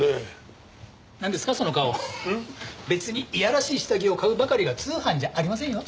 別にいやらしい下着を買うばかりが通販じゃありませんよ。